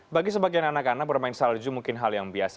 bagi sebagian anak anak bermain salju mungkin hal yang biasa